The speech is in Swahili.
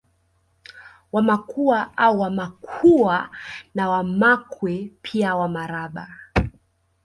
Wamakua au Wamakhuwa na Wamakwe pia Wamaraba